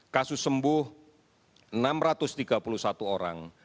kasus sembuh enam ratus tiga puluh satu orang